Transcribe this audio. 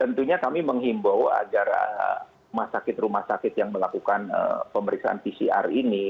tentunya kami menghimbau agar rumah sakit rumah sakit yang melakukan pemeriksaan pcr ini